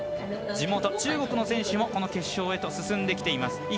地元・中国の選手もこの決勝に進んできています。